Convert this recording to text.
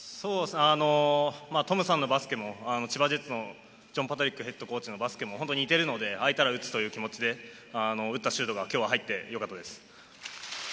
トムさんのバスケも千葉ジェッツのジョン・パトリックＨＣのバスケも本当に似てるので、空いたら打つという気持ちで打ったシュートがきょう入ってよかったです。